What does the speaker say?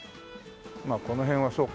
まあこの辺はそうか。